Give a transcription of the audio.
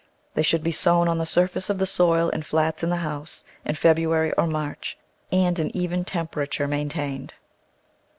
They should be sown on the surface of the soil, in flats in the house, in February or March, and an even temperature maintained.